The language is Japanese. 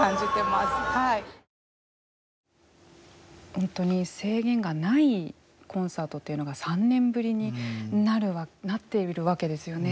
本当に制限がないコンサートっていうのが３年ぶりになっているわけですよね。